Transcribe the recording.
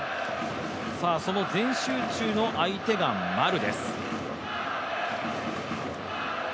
その全集中の相手が丸です。